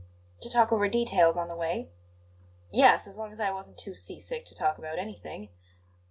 "To talk over details on the way?" "Yes, as long as I wasn't too sea sick to talk about anything."